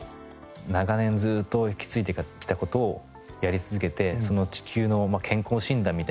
長年ずっと引き継いできた事をやり続けて地球のまあ健康診断みたいな。